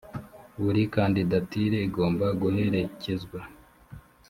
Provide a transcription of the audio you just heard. buri kandidatire igomba guherekezwa